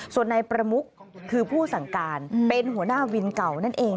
ส่วนนายประมุกคือผู้สั่งการเป็นหัวหน้าวินเก่านั่นเอง